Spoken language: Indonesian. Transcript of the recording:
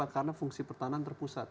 karena fungsi pertahanan terpusat